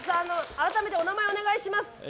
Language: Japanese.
改めてお名前をお願いします。